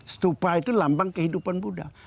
stupa itu lambang kehidupan buddha